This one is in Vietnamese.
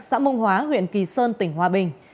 xã mông hóa huyện kỳ sơn tỉnh hòa bình